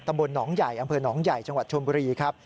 อังเภอหนองใหญ่จังหวัดชวนบุรีครับ